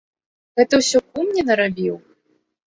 Гэта ўсё кум мне нарабіў!